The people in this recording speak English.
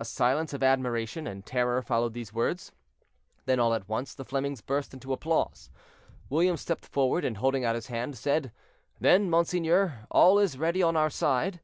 A silence of admiration and terror followed these words; then all at once the Flemings burst into applause. William stepped forward, and, holding out his hand, said: "Then, monseigneur, all is ready on our side?"